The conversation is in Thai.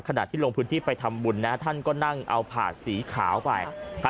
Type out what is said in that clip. ขณะที่ลงพื้นที่ไปทำบุญนะท่านก็นั่งเอาผาดสีขาวไป